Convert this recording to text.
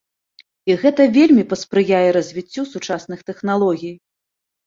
І гэта вельмі паспрыяе развіццю сучасных тэхналогій.